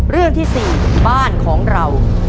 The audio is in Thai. เรื่องที่๔บ้านของเรา